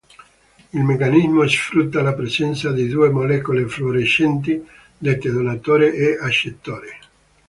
Il meccanismo sfrutta la presenza di due molecole fluorescenti, dette donatore e accettore.